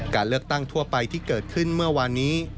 การเลือกตั้งทั่วไปที่เกิดขึ้นเมื่อวานนี้